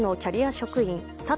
職員佐藤